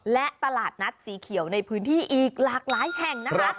และตลาดนัดสีเขียวในพื้นที่อีกหลากหลายแห่งนะคะ